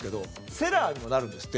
セラーにもなるんですって。